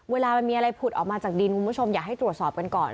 เวลามันมีอะไรผุดออกมาจากดินคุณผู้ชมอยากให้ตรวจสอบกันก่อน